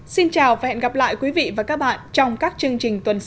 xin chào và hẹn gặp lại quý vị và các bạn trong các chương trình tuần sau